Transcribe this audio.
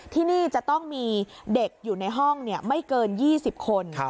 ที่นี่จะต้องมีเด็กอยู่ในห้องไม่เกิน๒๐คน